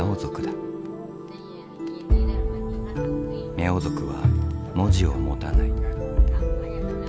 ミャオ族は文字を持たない。